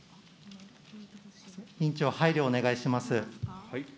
委員長、配慮をお願いします。